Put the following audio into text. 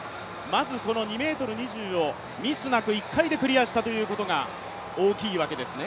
まず２ｍ２０をミスなく１回でクリアしたということが大きいわけですね。